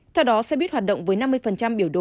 theo đó xe buýt hoạt động với năm mươi biểu đồ